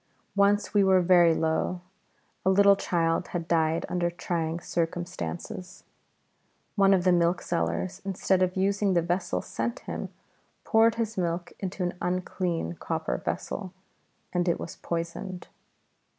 Once we were very low. A little child had died under trying circumstances. One of the milk sellers, instead of using the vessel sent him, poured his milk into an unclean copper vessel, and it was poisoned.